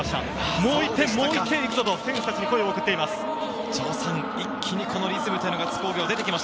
もう１点、もう１点行くぞ！と選手達に声を送っています。